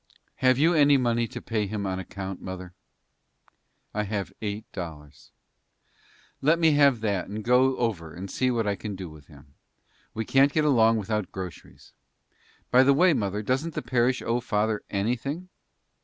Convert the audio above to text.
"Have you any money to pay him on account, mother?" "I have eight dollars." "Let me have that, and go over and see what I can do with him. We can't get along without groceries. By the way, mother, doesn't the parish owe father anything?"